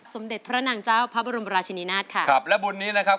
สมเด็จพระนางเจ้าพระบรมราชินินาศค่ะครับและบุญนี้นะครับ